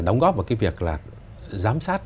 đóng góp vào cái việc là giám sát